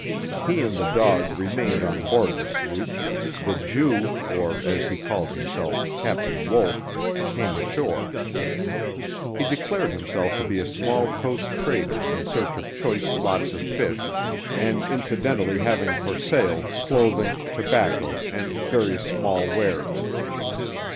He and the dog remained on board the sloop; the Jew, or, as he called himself, Captain Wolf, came ashore. He declared himself to be a small coast trader in search of choice lots of fish, and incidentally having for sale clothing, tobacco and various small wares.